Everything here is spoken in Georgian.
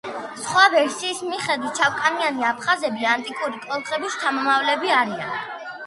სხვა ვერსიის მიხედვით შავკანიანი აფხაზები ანტიკური კოლხების შთამომავლები არიან.